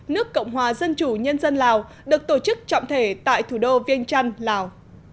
nước cộng hòa dân chủ nhân dân lào được tổ chức trọng thể tại thủ đô viên trăn lào